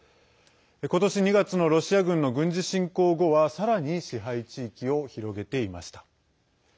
ことし２月のロシア軍の軍事侵攻後はさらに支配地域を広げていました。